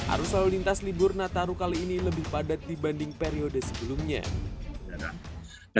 arus lalu lintas libur nataru kali ini lebih padat dibanding periode sebelumnya